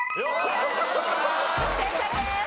正解です。